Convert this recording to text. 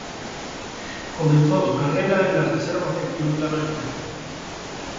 Comenzó su carrera en las reservas del Club La Merced.